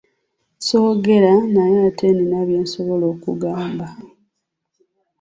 Soogera naye ate nina bye nsobola okukugamba.